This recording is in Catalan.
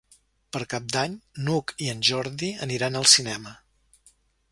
Per Cap d'Any n'Hug i en Jordi aniran al cinema.